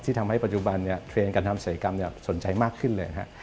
ที่ทำให้ปัจจุบันเนี่ยเทรนการทำศัลยกรรมเนี่ยสนใจมากขึ้นเลยนะครับ